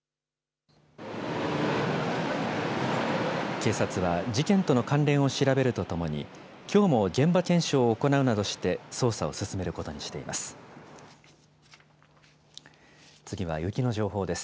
警察は事件との関連を調べるとともに、きょうも現場検証を行うなどして、捜査を進めることにしています。